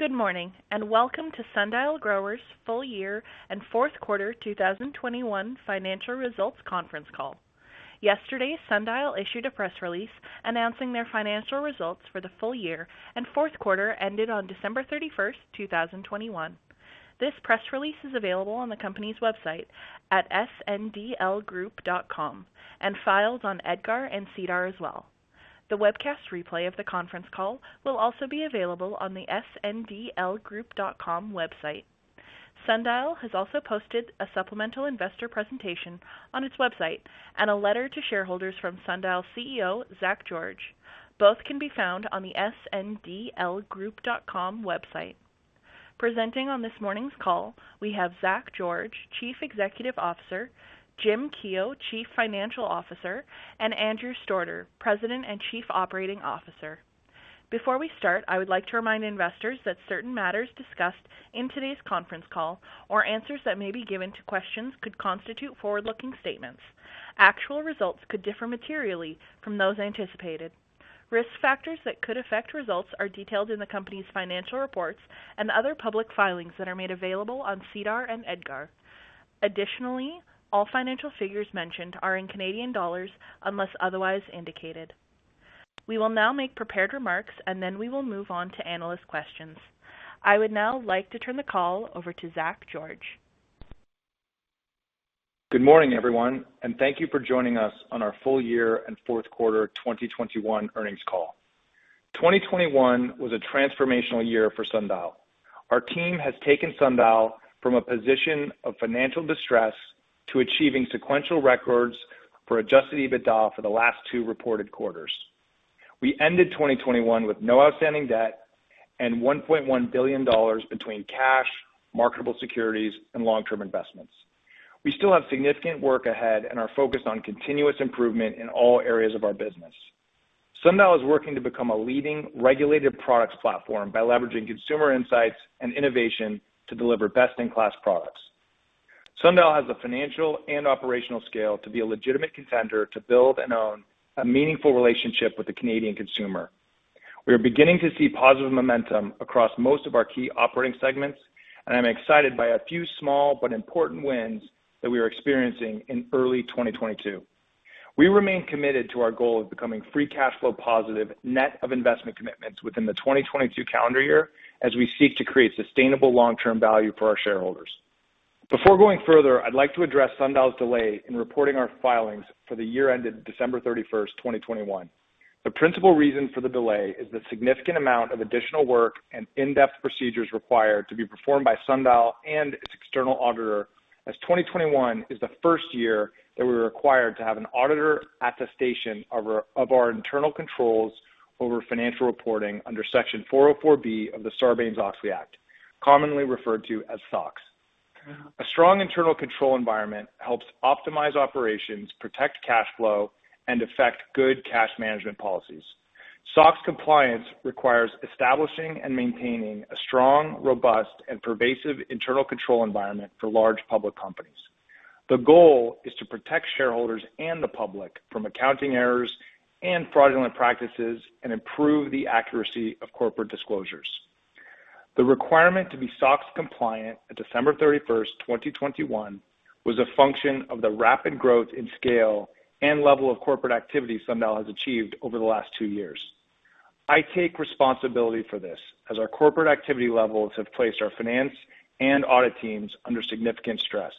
Good morning, and welcome to Sundial Growers full year and fourth quarter 2021 financial results conference call. Yesterday, Sundial issued a press release announcing their financial results for the full year and fourth quarter ended on December 31st, 2021. This press release is available on the company's website at sndlgroup.com and files on EDGAR and SEDAR as well. The webcast replay of the conference call will also be available on the sndlgroup.com website. Sundial has also posted a supplemental investor presentation on its website and a letter to shareholders from Sundial CEO, Zach George. Both can be found on the sndlgroup.com website. Presenting on this morning's call, we have Zach George, Chief Executive Officer, Jim Keough, Chief Financial Officer, and Andrew Stordeur, President and Chief Operating Officer. Before we start, I would like to remind investors that certain matters discussed in today's conference call or answers that may be given to questions could constitute forward-looking statements. Actual results could differ materially from those anticipated. Risk factors that could affect results are detailed in the company's financial reports and other public filings that are made available on SEDAR and EDGAR. Additionally, all financial figures mentioned are in Canadian dollars unless otherwise indicated. We will now make prepared remarks, and then we will move on to analyst questions. I would now like to turn the call over to Zach George. Good morning, everyone, and thank you for joining us on our full year and fourth quarter 2021 earnings call. 2021 was a transformational year for Sundial. Our team has taken Sundial from a position of financial distress to achieving sequential records for adjusted EBITDA for the last two reported quarters. We ended 2021 with no outstanding debt and 1.1 billion dollars between cash, marketable securities, and long-term investments. We still have significant work ahead and are focused on continuous improvement in all areas of our business. Sundial is working to become a leading regulated products platform by leveraging consumer insights and innovation to deliver best-in-class products. Sundial has the financial and operational scale to be a legitimate contender to build and own a meaningful relationship with the Canadian consumer. We are beginning to see positive momentum across most of our key operating segments, and I'm excited by a few small but important wins that we are experiencing in early 2022. We remain committed to our goal of becoming free cash flow positive net of investment commitments within the 2022 calendar year as we seek to create sustainable long-term value for our shareholders. Before going further, I'd like to address Sundial's delay in reporting our filings for the year ended December 31, 2021. The principal reason for the delay is the significant amount of additional work and in-depth procedures required to be performed by Sundial and its external auditor, as 2021 is the first year that we were required to have an auditor attestation of our internal controls over financial reporting under Section 404(b) of the Sarbanes-Oxley Act, commonly referred to as SOX. A strong internal control environment helps optimize operations, protect cash flow, and affect good cash management policies. SOX compliance requires establishing and maintaining a strong, robust, and pervasive internal control environment for large public companies. The goal is to protect shareholders and the public from accounting errors and fraudulent practices and improve the accuracy of corporate disclosures. The requirement to be SOX compliant at December 31, 2021 was a function of the rapid growth in scale and level of corporate activity Sundial has achieved over the last two years. I take responsibility for this, as our corporate activity levels have placed our finance and audit teams under significant stress.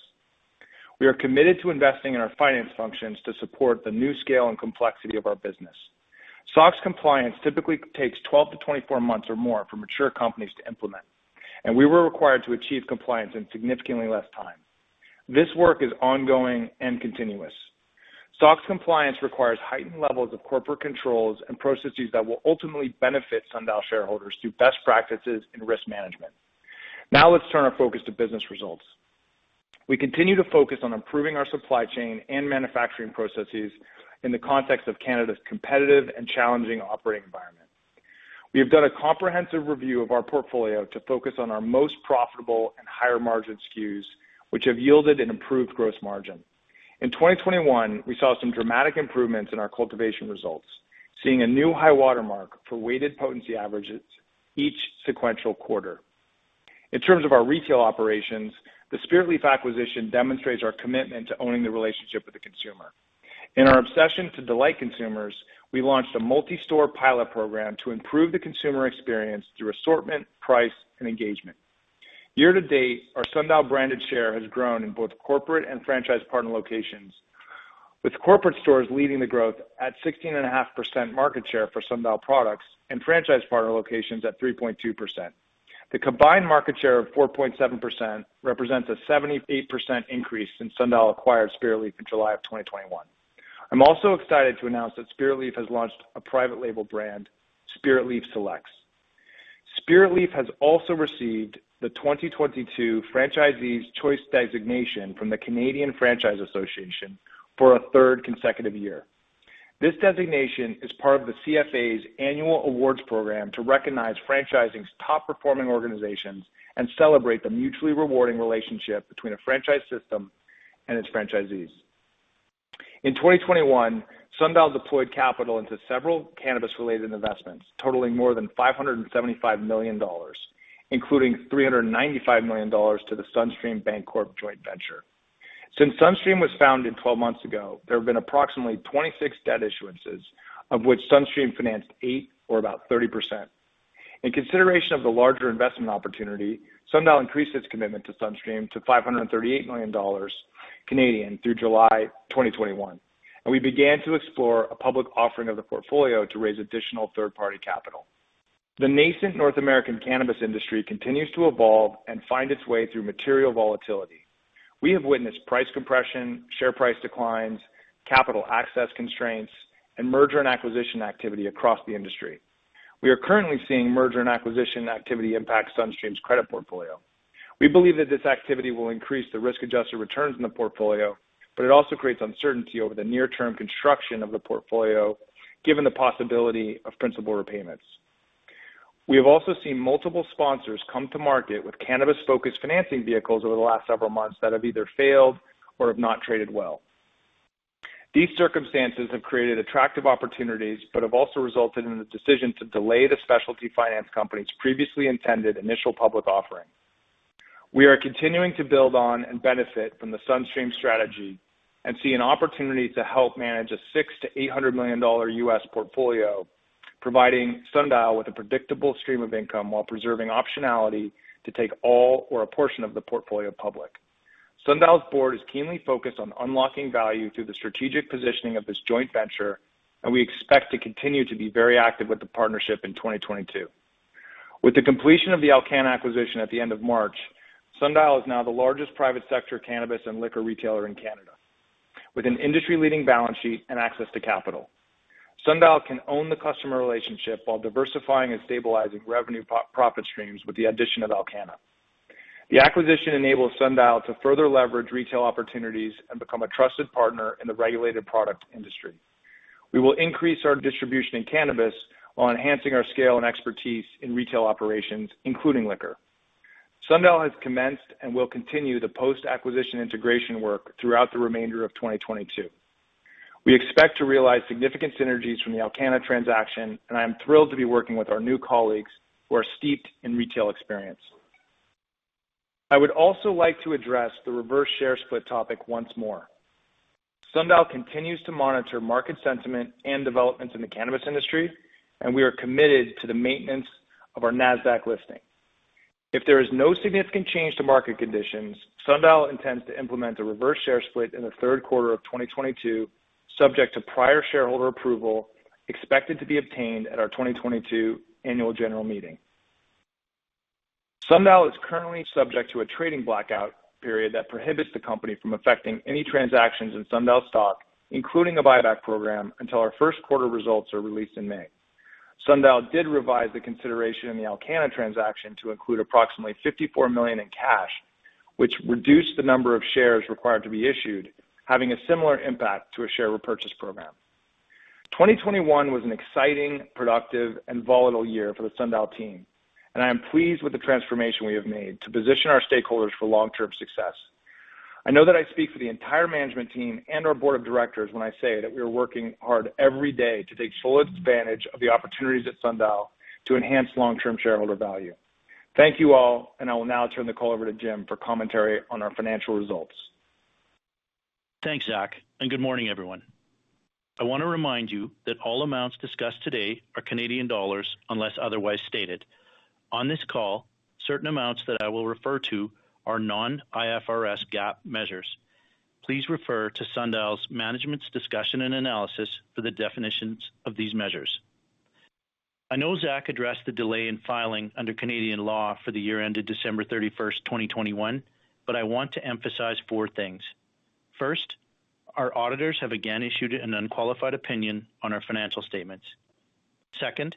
We are committed to investing in our finance functions to support the new scale and complexity of our business. SOX compliance typically takes 12-24 months or more for mature companies to implement, and we were required to achieve compliance in significantly less time. This work is ongoing and continuous. SOX compliance requires heightened levels of corporate controls and processes that will ultimately benefit Sundial shareholders through best practices in risk management. Now let's turn our focus to business results. We continue to focus on improving our supply chain and manufacturing processes in the context of Canada's competitive and challenging operating environment. We have done a comprehensive review of our portfolio to focus on our most profitable and higher-margin SKUs, which have yielded an improved gross margin. In 2021, we saw some dramatic improvements in our cultivation results, seeing a new high water mark for weighted potency averages each sequential quarter. In terms of our retail operations, the Spiritleaf acquisition demonstrates our commitment to owning the relationship with the consumer. In our obsession to delight consumers, we launched a multi-store pilot program to improve the consumer experience through assortment, price, and engagement. Year to date, our Sundial-branded share has grown in both corporate and franchise partner locations, with corporate stores leading the growth at 16.5% market share for Sundial products and franchise partner locations at 3.2%. The combined market share of 4.7% represents a 78% increase since Sundial acquired Spiritleaf in July 2021. I'm also excited to announce that Spiritleaf has launched a private label brand, Spiritleaf Selects. Spiritleaf has also received the 2022 Franchisee's Choice Designation from the Canadian Franchise Association for a third consecutive year. This designation is part of the CFA's annual awards program to recognize franchising's top-performing organizations and celebrate the mutually rewarding relationship between a franchise system and its franchisees. In 2021, Sundial deployed capital into several cannabis-related investments totaling more than 575 million dollars, including 395 million dollars to the SunStream Bancorp joint venture. Since SunStream was founded twelve months ago, there have been approximately 26 debt issuances, of which SunStream financed 8 or about 30%. In consideration of the larger investment opportunity, Sundial increased its commitment to SunStream to 538 million Canadian dollars through July 2021, and we began to explore a public offering of the portfolio to raise additional third-party capital. The nascent North American cannabis industry continues to evolve and find its way through material volatility. We have witnessed price compression, share price declines, capital access constraints, and merger and acquisition activity across the industry. We are currently seeing merger and acquisition activity impact SunStream's credit portfolio. We believe that this activity will increase the risk-adjusted returns in the portfolio, but it also creates uncertainty over the near-term construction of the portfolio, given the possibility of principal repayments. We have also seen multiple sponsors come to market with cannabis-focused financing vehicles over the last several months that have either failed or have not traded well. These circumstances have created attractive opportunities, but have also resulted in the decision to delay the specialty finance company's previously intended initial public offering. We are continuing to build on and benefit from the SunStream strategy and see an opportunity to help manage a $600 million-$800 million US portfolio, providing Sundial with a predictable stream of income while preserving optionality to take all or a portion of the portfolio public. Sundial's board is keenly focused on unlocking value through the strategic positioning of this joint venture, and we expect to continue to be very active with the partnership in 2022. With the completion of the Alcanna acquisition at the end of March, Sundial is now the largest private sector cannabis and liquor retailer in Canada with an industry-leading balance sheet and access to capital. Sundial can own the customer relationship while diversifying and stabilizing revenue profit streams with the addition of Alcanna. The acquisition enables Sundial to further leverage retail opportunities and become a trusted partner in the regulated product industry. We will increase our distribution in cannabis while enhancing our scale and expertise in retail operations, including liquor. Sundial has commenced and will continue the post-acquisition integration work throughout the remainder of 2022. We expect to realize significant synergies from the Alcanna transaction, and I am thrilled to be working with our new colleagues who are steeped in retail experience. I would also like to address the reverse share split topic once more. Sundial continues to monitor market sentiment and developments in the cannabis industry, and we are committed to the maintenance of our Nasdaq listing. If there is no significant change to market conditions, Sundial intends to implement a reverse share split in the third quarter of 2022, subject to prior shareholder approval expected to be obtained at our 2022 annual general meeting. Sundial is currently subject to a trading blackout period that prohibits the company from effecting any transactions in Sundial stock, including a buyback program, until our first quarter results are released in May. Sundial did revise the consideration in the Alcanna transaction to include approximately 54 million in cash, which reduced the number of shares required to be issued, having a similar impact to a share repurchase program. 2021 was an exciting, productive, and volatile year for the Sundial team, and I am pleased with the transformation we have made to position our stakeholders for long-term success. I know that I speak for the entire management team and our board of directors when I say that we are working hard every day to take full advantage of the opportunities at Sundial to enhance long-term shareholder value. Thank you all, and I will now turn the call over to Jim for commentary on our financial results. Thanks, Zach, and good morning, everyone. I want to remind you that all amounts discussed today are Canadian dollars, unless otherwise stated. On this call, certain amounts that I will refer to are non-IFRS GAAP measures. Please refer to Sundial's management's discussion and analysis for the definitions of these measures. I know Zach addressed the delay in filing under Canadian law for the year ended December 31, 2021, but I want to emphasize four things. First, our auditors have again issued an unqualified opinion on our financial statements. Second,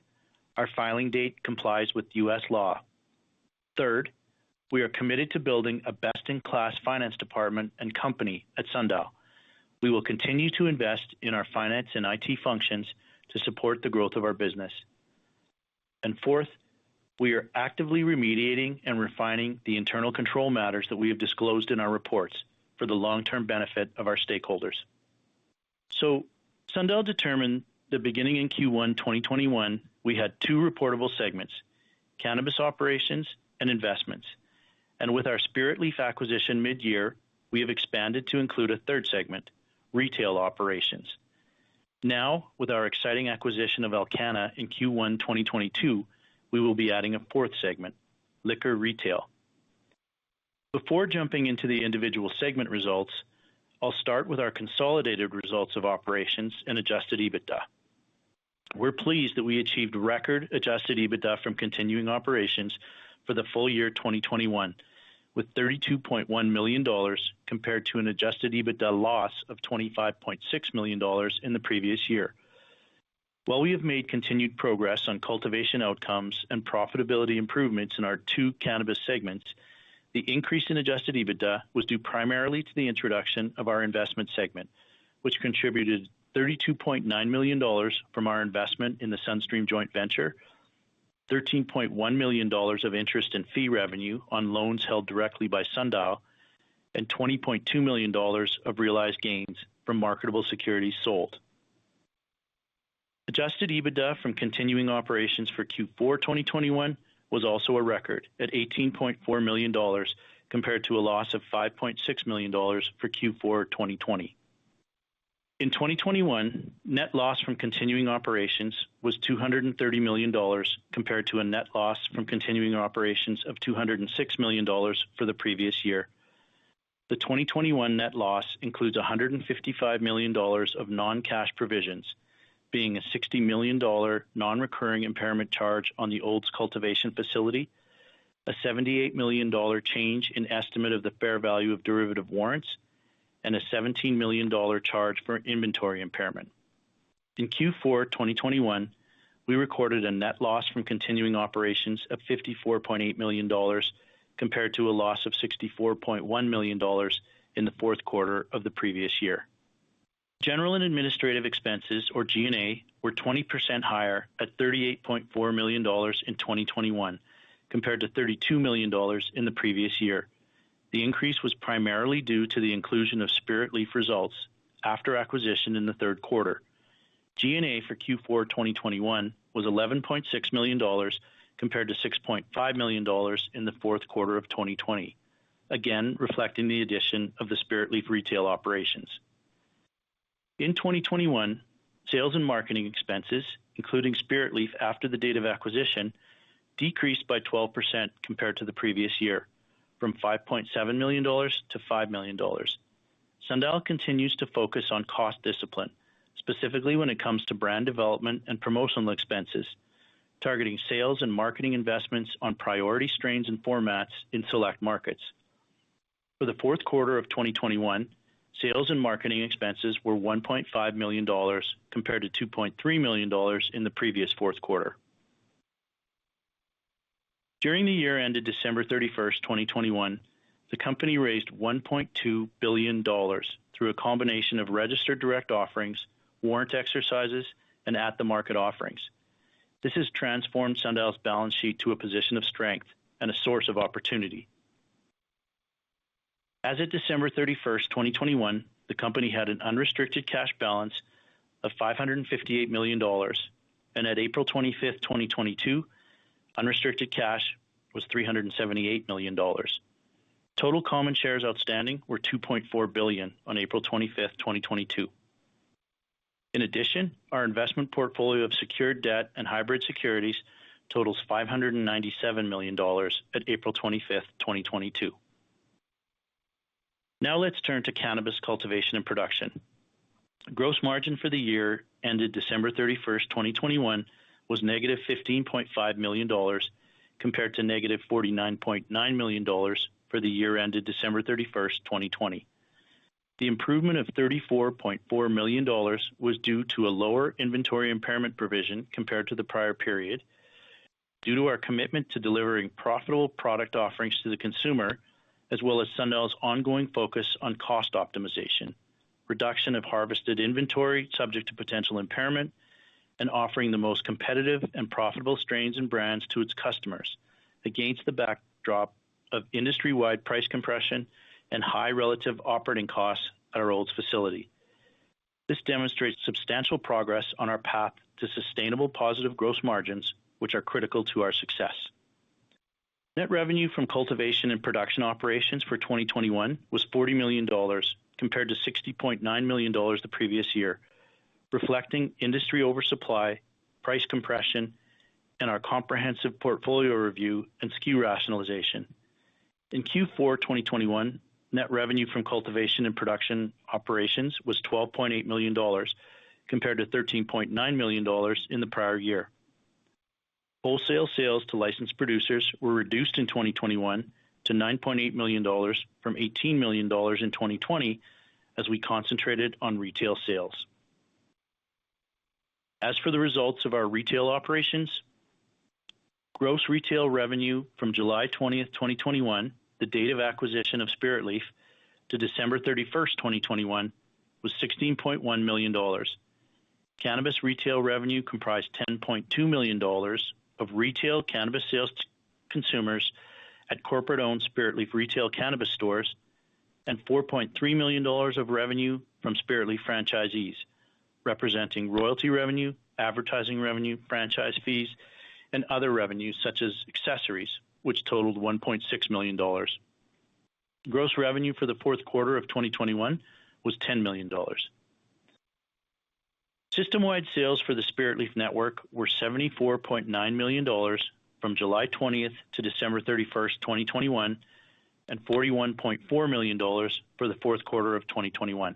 our filing date complies with U.S. law. Third, we are committed to building a best-in-class finance department and company at Sundial. We will continue to invest in our finance and IT functions to support the growth of our business. Fourth, we are actively remediating and refining the internal control matters that we have disclosed in our reports for the long-term benefit of our stakeholders. Sundial determined that beginning in Q1 2021, we had two reportable segments, cannabis operations and investments. With our Spiritleaf acquisition mid-year, we have expanded to include a third segment, retail operations. Now, with our exciting acquisition of Alcanna in Q1 2022, we will be adding a fourth segment, liquor retail. Before jumping into the individual segment results, I'll start with our consolidated results of operations and adjusted EBITDA. We're pleased that we achieved record adjusted EBITDA from continuing operations for the full year 2021, with 32.1 million dollars compared to an adjusted EBITDA loss of 25.6 million dollars in the previous year. While we have made continued progress on cultivation outcomes and profitability improvements in our two cannabis segments, the increase in Adjusted EBITDA was due primarily to the introduction of our investment segment, which contributed 32.9 million dollars from our investment in the SunStream joint venture. 13.1 million dollars of interest and fee revenue on loans held directly by Sundial and 20.2 million dollars of realized gains from marketable securities sold. Adjusted EBITDA from continuing operations for Q4 2021 was also a record at 18.4 million dollars compared to a loss of 5.6 million dollars for Q4 2020. In 2021, net loss from continuing operations was 230 million dollars compared to a net loss from continuing operations of 206 million dollars for the previous year. The 2021 net loss includes 155 million dollars of non-cash provisions, being a 60 million dollar non-recurring impairment charge on the Olds cultivation facility, a 78 million dollar change in estimate of the fair value of derivative warrants, and a 17 million dollar charge for inventory impairment. In Q4 2021, we recorded a net loss from continuing operations of 54.8 million dollars compared to a loss of 64.1 million dollars in the fourth quarter of the previous year. General and administrative expenses, or G&A, were 20% higher at 38.4 million dollars in 2021 compared to 32 million dollars in the previous year. The increase was primarily due to the inclusion of Spiritleaf results after acquisition in the third quarter. G&A for Q4 2021 was CAD 11.6 million compared to CAD 6.5 million in the fourth quarter of 2020, again, reflecting the addition of the Spiritleaf retail operations. In 2021, sales and marketing expenses, including Spiritleaf after the date of acquisition, decreased by 12% compared to the previous year from 5.7 million dollars to 5 million dollars. Sundial continues to focus on cost discipline, specifically when it comes to brand development and promotional expenses, targeting sales and marketing investments on priority strains and formats in select markets. For the fourth quarter of 2021, sales and marketing expenses were 1.5 million dollars compared to 2.3 million dollars in the previous fourth quarter. During the year ended December 31, 2021, the company raised 1.2 billion dollars through a combination of registered direct offerings, warrant exercises, and at-the-market offerings. This has transformed Sundial's balance sheet to a position of strength and a source of opportunity. As of December 31, 2021, the company had an unrestricted cash balance of 558 million dollars, and at April 25, 2022, unrestricted cash was 378 million dollars. Total common shares outstanding were 2.4 billion on April 25, 2022. In addition, our investment portfolio of secured debt and hybrid securities totals 597 million dollars at April 25, 2022. Now let's turn to cannabis cultivation and production. Gross margin for the year ended December 31, 2021 was -CAD 15.5 million, compared to -49.9 million dollars for the year ended December 31, 2020. The improvement of 34.4 million dollars was due to a lower inventory impairment provision compared to the prior period due to our commitment to delivering profitable product offerings to the consumer, as well as Sundial's ongoing focus on cost optimization, reduction of harvested inventory subject to potential impairment, and offering the most competitive and profitable strains and brands to its customers against the backdrop of industry-wide price compression and high relative operating costs at our Olds facility. This demonstrates substantial progress on our path to sustainable positive gross margins, which are critical to our success. Net revenue from cultivation and production operations for 2021 was 40 million dollars compared to 60.9 million dollars the previous year, reflecting industry oversupply, price compression, and our comprehensive portfolio review and SKU rationalization. In Q4 2021, net revenue from cultivation and production operations was 12.8 million dollars compared to 13.9 million dollars in the prior year. Wholesale sales to licensed producers were reduced in 2021 to 9.8 million dollars from 18 million dollars in 2020 as we concentrated on retail sales. As for the results of our retail operations, gross retail revenue from July 20th, 2021, the date of acquisition of Spiritleaf, to December 31st, 2021, was 16.1 million dollars. Cannabis retail revenue comprised 10.2 million dollars of retail cannabis sales to consumers at corporate-owned Spiritleaf retail cannabis stores and 4.3 million dollars of revenue from Spiritleaf franchisees, representing royalty revenue, advertising revenue, franchise fees, and other revenues such as accessories, which totaled 1.6 million dollars. Gross revenue for the fourth quarter of 2021 was 10 million dollars. System-wide sales for the Spiritleaf network were CAD 74.9 million from July 20th to December 31st, 2021, and CAD 41.4 million for the fourth quarter of 2021.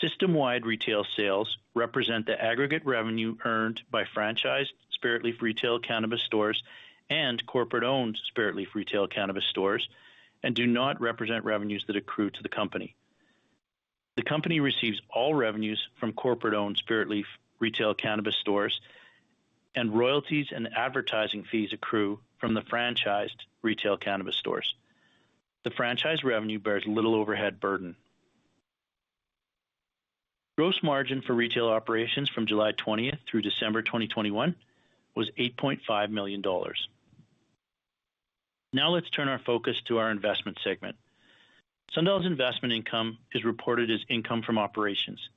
System-wide retail sales represent the aggregate revenue earned by franchised Spiritleaf retail cannabis stores and corporate-owned Spiritleaf retail cannabis stores and do not represent revenues that accrue to the company. The company receives all revenues from corporate-owned Spiritleaf retail cannabis stores, and royalties and advertising fees accrue from the franchised retail cannabis stores. The franchise revenue bears little overhead burden. Gross margin for retail operations from July 20 through December 2021 was 8.5 million dollars. Now let's turn our focus to our investment segment. Sundial's investment income is reported as income from operations.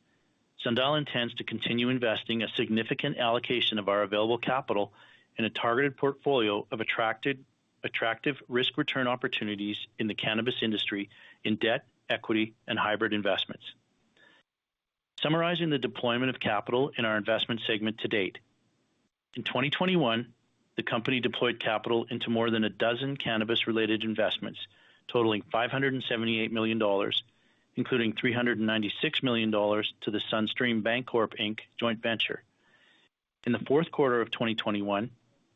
Sundial intends to continue investing a significant allocation of our available capital in a targeted portfolio of attractive risk return opportunities in the cannabis industry in debt, equity, and hybrid investments. Summarizing the deployment of capital in our investment segment to date. In 2021, the company deployed capital into more than a dozen cannabis-related investments, totaling 578 million dollars, including 396 million dollars to the SunStream Bancorp Inc. joint venture. In the fourth quarter of 2021,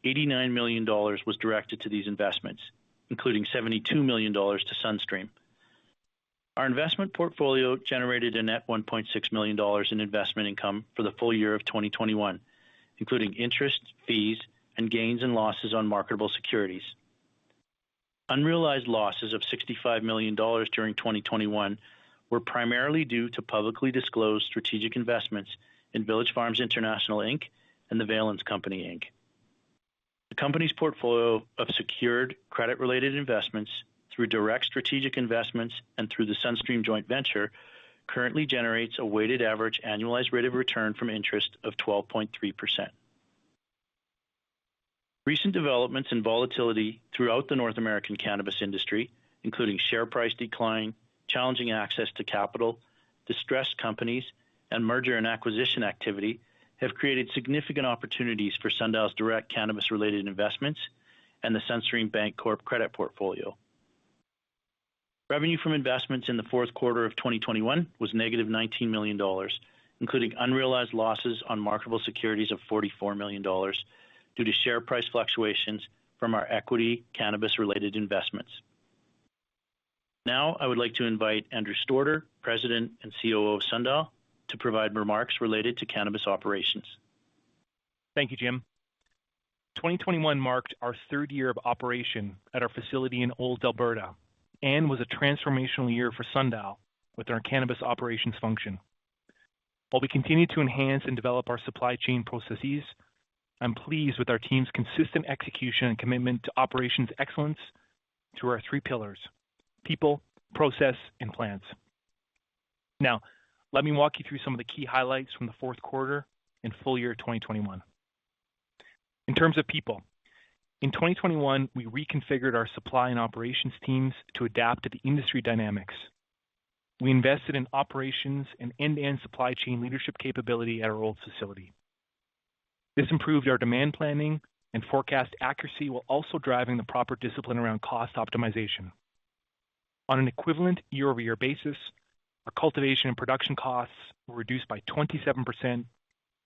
89 million dollars was directed to these investments, including 72 million dollars to SunStream. Our investment portfolio generated a net 1.6 million dollars in investment income for the full year of 2021, including interest, fees, and gains and losses on marketable securities. Unrealized losses of 65 million dollars during 2021 were primarily due to publicly disclosed strategic investments in Village Farms International, Inc. and The Valens Company Inc. The company's portfolio of secured credit-related investments through direct strategic investments and through the SunStream joint venture currently generates a weighted average annualized rate of return from interest of 12.3%. Recent developments in volatility throughout the North American cannabis industry, including share price decline, challenging access to capital, distressed companies, and merger and acquisition activity, have created significant opportunities for Sundial's direct cannabis-related investments and the SunStream Bancorp credit portfolio. Revenue from investments in the fourth quarter of 2021 was -19 million dollars, including unrealized losses on marketable securities of 44 million dollars due to share price fluctuations from our equity cannabis-related investments. Now, I would like to invite Andrew Stordeur, President and COO of Sundial, to provide remarks related to cannabis operations. Thank you, Jim. 2021 marked our third year of operation at our facility in Olds, Alberta, and was a transformational year for Sundial with our cannabis operations function. While we continue to enhance and develop our supply chain processes, I'm pleased with our team's consistent execution and commitment to operational excellence through our three pillars, people, process, and plans. Now, let me walk you through some of the key highlights from the fourth quarter and full year of 2021. In terms of people, in 2021, we reconfigured our supply and operations teams to adapt to the industry dynamics. We invested in operations and end-to-end supply chain leadership capability at our Olds facility. This improved our demand planning and forecast accuracy while also driving the proper discipline around cost optimization. On an equivalent year-over-year basis, our cultivation and production costs were reduced by 27%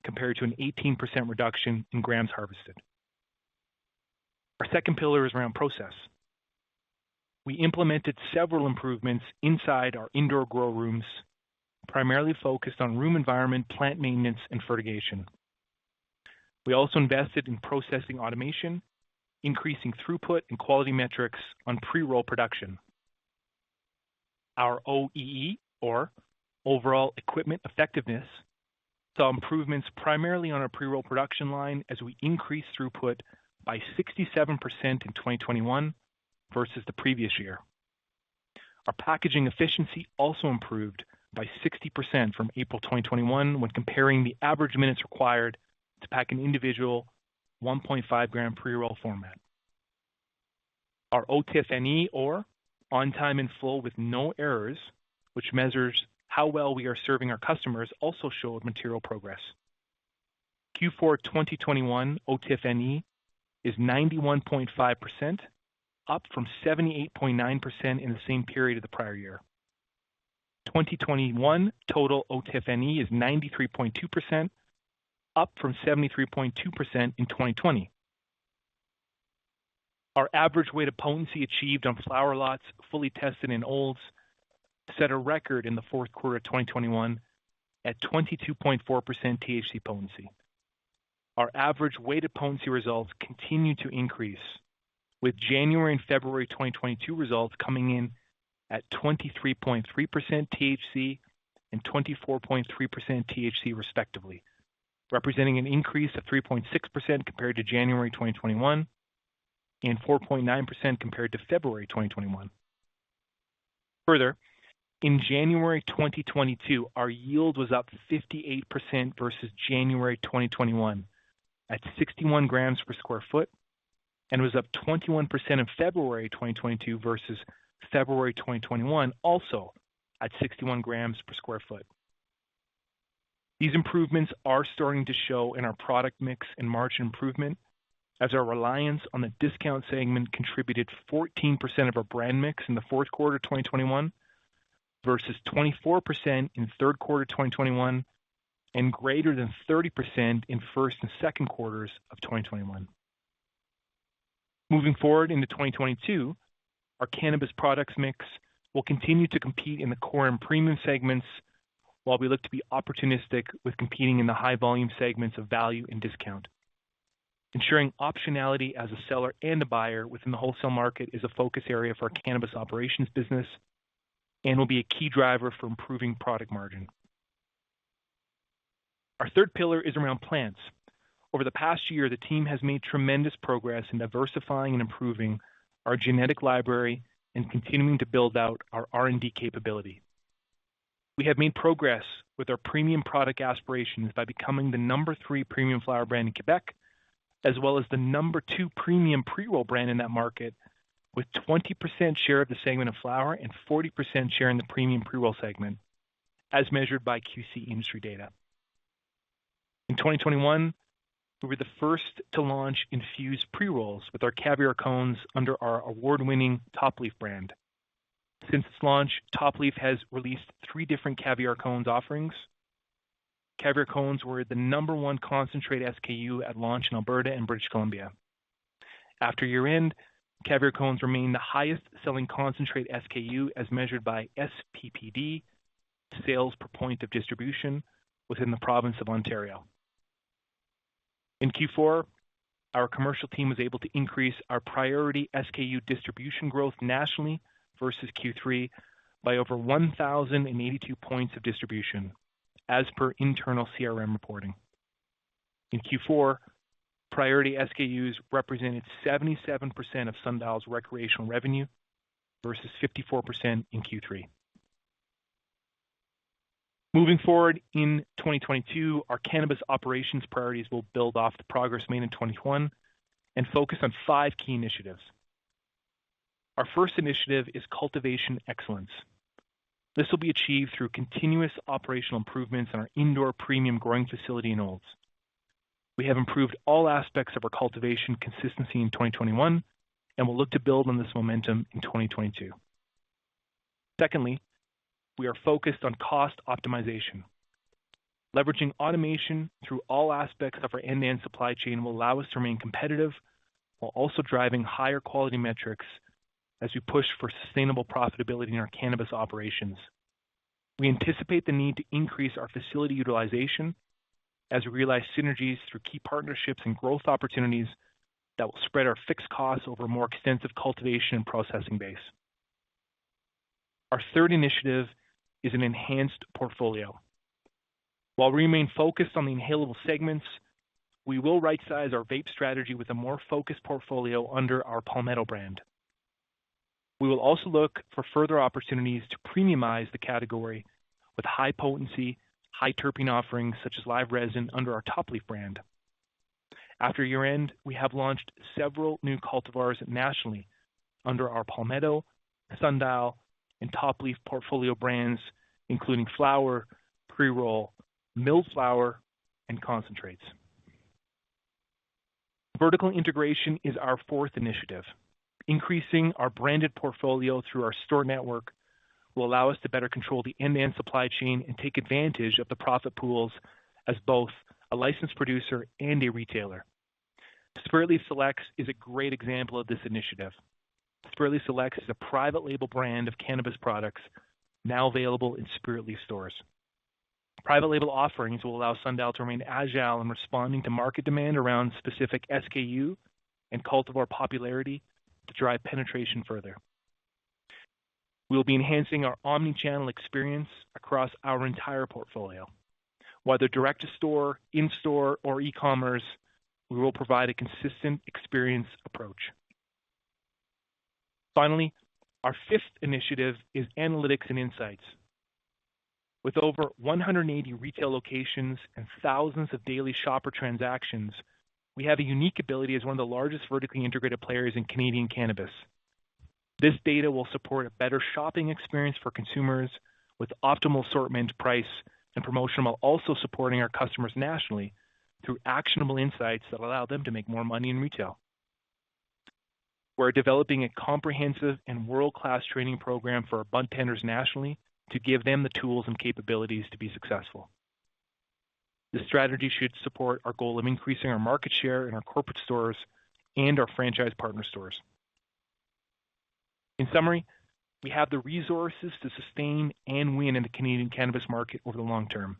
compared to an 18% reduction in grams harvested. Our second pillar is around process. We implemented several improvements inside our indoor grow rooms, primarily focused on room environment, plant maintenance, and fertigation. We also invested in processing automation, increasing throughput and quality metrics on pre-roll production. Our OEE, or overall equipment effectiveness, saw improvements primarily on our pre-roll production line as we increased throughput by 67% in 2021 versus the previous year. Our packaging efficiency also improved by 60% from April 2021 when comparing the average minutes required to pack an individual 1.5 gram pre-roll format. Our OTIFNE, or on time in full with no errors, which measures how well we are serving our customers, also showed material progress. Q4 2021 OTIFNE is 91.5%, up from 78.9% in the same period of the prior year. 2021 total OTIFNE is 93.2%, up from 73.2% in 2020. Our average weighted potency achieved on flower lots fully tested in Olds set a record in the fourth quarter of 2021 at 22.4% THC potency. Our average weighted potency results continued to increase, with January and February 2022 results coming in at 23.3% THC and 24.3% THC respectively, representing an increase of 3.6% compared to January 2021 and 4.9% compared to February 2021. Further, in January 2022, our yield was up 58% versus January 2021 at 61 grams per sq ft and was up 21% in February 2022 versus February 2021, also at 61 grams per sq ft. These improvements are starting to show in our product mix and margin improvement as our reliance on the discount segment contributed 14% of our brand mix in the fourth quarter of 2021 versus 24% in third quarter 2021 and greater than 30% in first and second quarters of 2021. Moving forward into 2022, our cannabis products mix will continue to compete in the core and premium segments while we look to be opportunistic with competing in the high volume segments of value and discount. Ensuring optionality as a seller and a buyer within the wholesale market is a focus area for our cannabis operations business and will be a key driver for improving product margin. Our third pillar is around plants. Over the past year, the team has made tremendous progress in diversifying and improving our genetic library and continuing to build out our R&D capability. We have made progress with our premium product aspirations by becoming the 3rd premium flower brand in Quebec, as well as the 2nd premium pre-roll brand in that market, with 20% share of the segment of flower and 40% share in the premium pre-roll segment as measured by QC industry data. In 2021, we were the first to launch infused pre-rolls with our Caviar Cones under our award-winning Top Leaf brand. Since its launch, Top Leaf has released 3 different Caviar Cones offerings. Caviar Cones were the number one concentrate SKU at launch in Alberta and British Columbia. After year-end, Caviar Cones remain the highest selling concentrate SKU as measured by SPPD, sales per point of distribution within the province of Ontario. In Q4, our commercial team was able to increase our priority SKU distribution growth nationally versus Q3 by over 1,082 points of distribution as per internal CRM reporting. In Q4, priority SKUs represented 77% of Sundial's recreational revenue versus 54% in Q3. Moving forward, in 2022, our cannabis operations priorities will build off the progress made in 2021 and focus on five key initiatives. Our first initiative is cultivation excellence. This will be achieved through continuous operational improvements in our indoor premium growing facility in Olds. We have improved all aspects of our cultivation consistency in 2021 and will look to build on this momentum in 2022. Secondly, we are focused on cost optimization. Leveraging automation through all aspects of our end-to-end supply chain will allow us to remain competitive while also driving higher quality metrics as we push for sustainable profitability in our cannabis operations. We anticipate the need to increase our facility utilization as we realize synergies through key partnerships and growth opportunities that will spread our fixed costs over a more extensive cultivation and processing base. Our third initiative is an enhanced portfolio. While we remain focused on the inhalable segments, we will right-size our vape strategy with a more focused portfolio under our Palmetto brand. We will also look for further opportunities to premiumize the category with high potency, high terpene offerings such as live resin under our Top Leaf brand. After year-end, we have launched several new cultivars nationally under our Palmetto, Sundial, and Top Leaf portfolio brands, including flower, pre-roll, milled flower, and concentrates. Vertical integration is our fourth initiative. Increasing our branded portfolio through our store network will allow us to better control the end-to-end supply chain and take advantage of the profit pools as both a licensed producer and a retailer. Spiritleaf Selects is a great example of this initiative. Spiritleaf Selects is a private label brand of cannabis products now available in Spiritleaf stores. Private label offerings will allow Sundial to remain agile in responding to market demand around specific SKU and cultivar popularity to drive penetration further. We will be enhancing our omni-channel experience across our entire portfolio. Whether direct to store, in-store, or e-commerce, we will provide a consistent experience approach. Finally, our fifth initiative is analytics and insights. With over 180 retail locations and thousands of daily shopper transactions, we have a unique ability as one of the largest vertically integrated players in Canadian cannabis. This data will support a better shopping experience for consumers with optimal assortment, price, and promotion, while also supporting our customers nationally through actionable insights that allow them to make more money in retail. We're developing a comprehensive and world-class training program for our budtenders nationally to give them the tools and capabilities to be successful. This strategy should support our goal of increasing our market share in our corporate stores and our franchise partner stores. In summary, we have the resources to sustain and win in the Canadian cannabis market over the long term.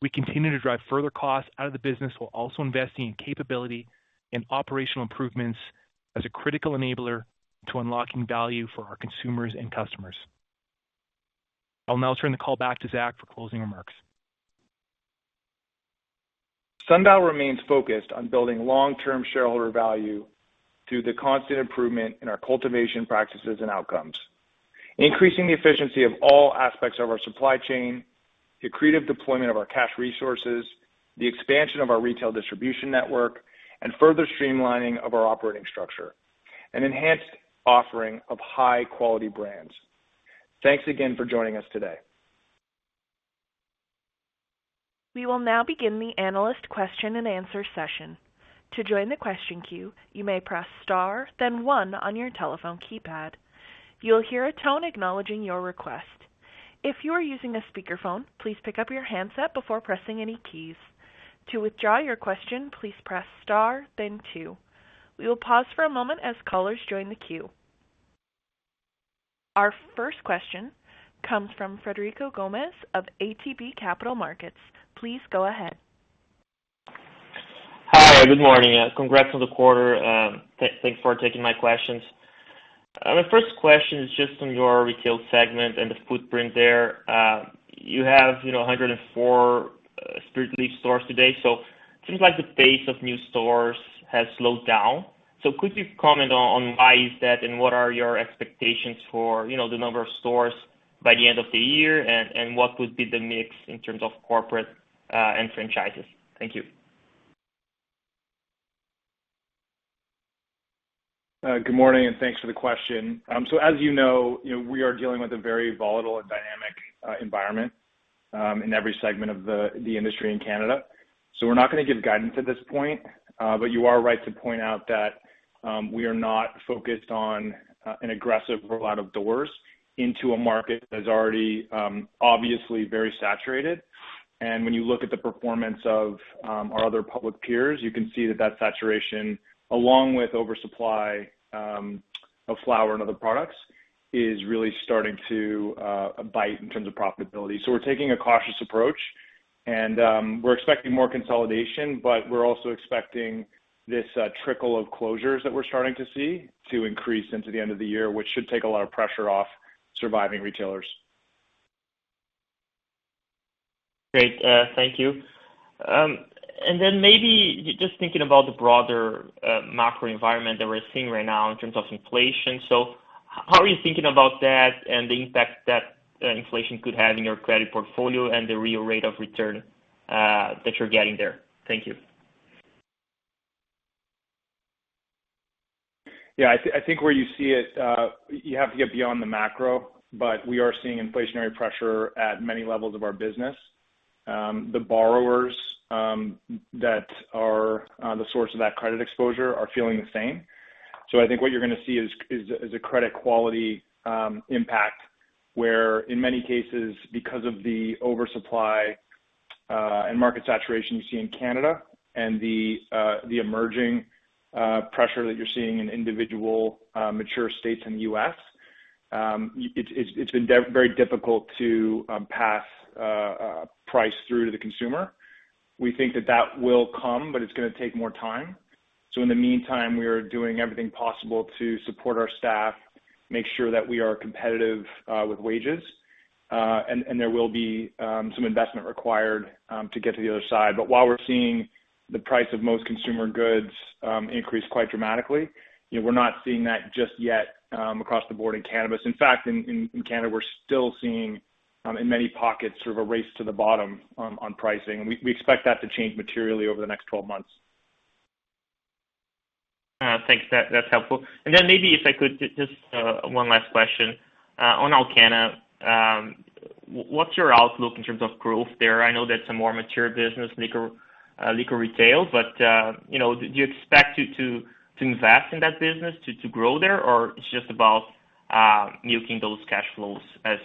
We continue to drive further costs out of the business while also investing in capability and operational improvements as a critical enabler to unlocking value for our consumers and customers. I'll now turn the call back to Zach for closing remarks. Sundial remains focused on building long-term shareholder value through the constant improvement in our cultivation practices and outcomes, increasing the efficiency of all aspects of our supply chain, the creative deployment of our cash resources, the expansion of our retail distribution network, and further streamlining of our operating structure, an enhanced offering of high-quality brands. Thanks again for joining us today. We will now begin the analyst question-and-answer session. To join the question queue, you may press star then one on your telephone keypad. You will hear a tone acknowledging your request. If you are using a speakerphone, please pick up your handset before pressing any keys. To withdraw your question, please press star then two. We will pause for a moment as callers join the queue. Our first question comes from Frederico Gomes of ATB Capital Markets. Please go ahead. Hi, good morning. Congrats on the quarter. Thanks for taking my questions. My first question is just on your retail segment and the footprint there. You have, you know, 104 Spiritleaf stores today, so it seems like the pace of new stores has slowed down. Could you comment on why is that, and what are your expectations for, you know, the number of stores by the end of the year, and what would be the mix in terms of corporate and franchises? Thank you. Good morning, thanks for the question. As you know, you know, we are dealing with a very volatile and dynamic environment in every segment of the industry in Canada. We're not gonna give guidance at this point, but you are right to point out that we are not focused on an aggressive rollout of doors into a market that is already obviously very saturated. When you look at the performance of our other public peers, you can see that that saturation, along with oversupply of flower and other products, is really starting to bite in terms of profitability. We're taking a cautious approach and we're expecting more consolidation, but we're also expecting this trickle of closures that we're starting to see to increase into the end of the year, which should take a lot of pressure off surviving retailers. Great. Thank you. Maybe just thinking about the broader macro environment that we're seeing right now in terms of inflation. How are you thinking about that and the impact that inflation could have on your credit portfolio and the real rate of return that you're getting there? Thank you. Yeah, I think where you see it, you have to get beyond the macro, but we are seeing inflationary pressure at many levels of our business. The borrowers that are the source of that credit exposure are feeling the same. I think what you're gonna see is a credit quality impact, where in many cases, because of the oversupply and market saturation you see in Canada and the emerging pressure that you're seeing in individual mature states in the U.S., it's been very difficult to pass price through to the consumer. We think that will come, but it's gonna take more time. In the meantime, we are doing everything possible to support our staff, make sure that we are competitive with wages, and there will be some investment required to get to the other side. While we're seeing the price of most consumer goods increase quite dramatically, you know, we're not seeing that just yet across the board in cannabis. In fact, in Canada, we're still seeing in many pockets sort of a race to the bottom on pricing. We expect that to change materially over the next 12 months. Thanks. That's helpful. Then maybe if I could just one last question. On Alcanna, what's your outlook in terms of growth there? I know that's a more mature business, liquor retail, but you know, do you expect to invest in that business to grow there, or it's just about milking those cash flows as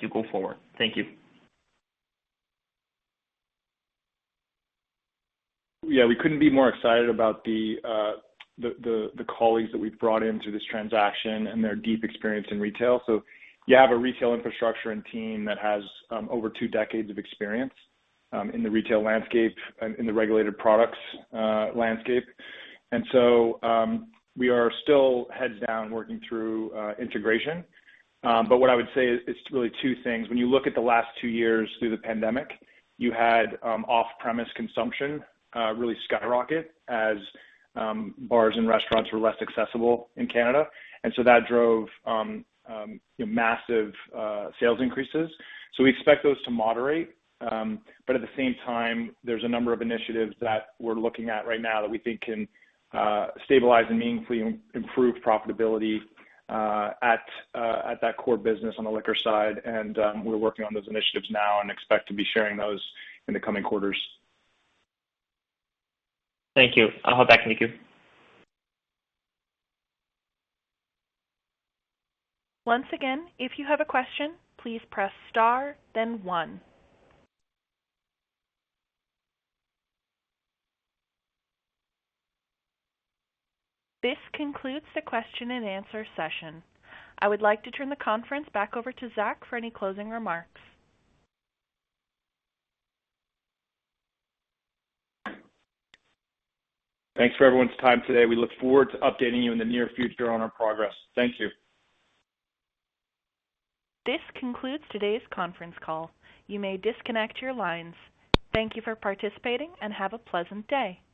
you go forward? Thank you. Yeah, we couldn't be more excited about the colleagues that we've brought in through this transaction and their deep experience in retail. You have a retail infrastructure and team that has over two decades of experience in the retail landscape and in the regulated products landscape. We are still heads down working through integration. What I would say is really two things. When you look at the last two years through the pandemic, you had off-premise consumption really skyrocket as bars and restaurants were less accessible in Canada. That drove massive sales increases. We expect those to moderate. At the same time, there's a number of initiatives that we're looking at right now that we think can stabilize and meaningfully improve profitability at that core business on the liquor side. We're working on those initiatives now and expect to be sharing those in the coming quarters. Thank you. I'll hop back, thank you. Once again, if you have a question, please press star then one. This concludes the question and answer session. I would like to turn the conference back over to Zach for any closing remarks. Thanks for everyone's time today. We look forward to updating you in the near future on our progress. Thank you. This concludes today's conference call. You may disconnect your lines. Thank you for participating, and have a pleasant day.